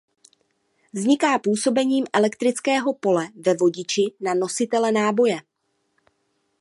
Vzniká působením elektrického pole ve vodiči na nositele náboje.